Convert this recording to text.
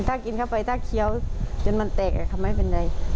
ถ้ากินเข้าไปถ้าเคี้ยวจนมันแตกเขาไม่เป็นไร